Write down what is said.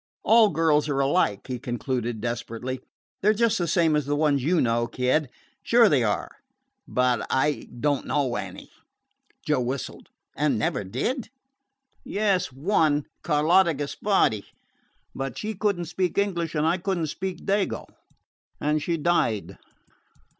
"All girls are alike," he concluded desperately. "They 're just the same as the ones you know, Kid sure they are." "But I don't know any." Joe whistled. "And never did?" "Yes, one. Carlotta Gispardi. But she could n't speak English, and I could n't speak Dago; and she died.